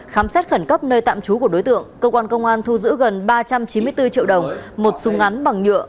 khám xét khẩn cấp nơi tạm chú của đối tượng công an thu giữ gần ba trăm chín mươi bốn triệu đồng một súng ngắn bằng nhựa